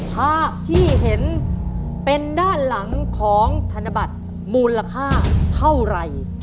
ภาพที่เห็นเป็นด้านหลังของธนบัตรมูลค่าเท่าไหร่